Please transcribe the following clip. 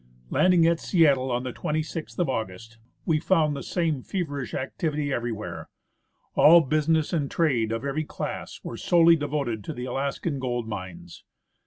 Landing at Seattle on the 26th of August, we found the same feverish activity everywhere. All business and trade of every class were solely devoted to the Alaskan gold mines.